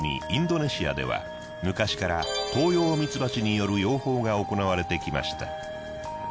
インドネシアでは昔からトウヨウミツバチによる養蜂が行われてきました。